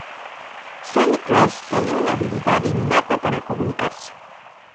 Sonny Criss tenía una habilidad innata para comunicarse.